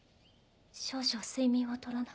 少々睡眠を取らな。